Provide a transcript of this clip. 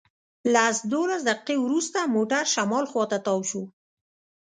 لس دولس دقیقې وروسته موټر شمال خواته تاو شو.